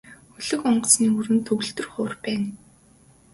Хөлөг онгоцны өрөөнд төгөлдөр хуур байна.